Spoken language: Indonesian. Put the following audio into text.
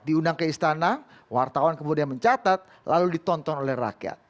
diundang ke istana wartawan kemudian mencatat lalu ditonton oleh rakyat